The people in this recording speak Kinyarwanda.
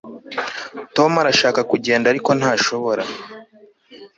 Tom arashaka kugenda ariko ntashobora